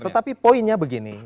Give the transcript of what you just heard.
tetapi poinnya begini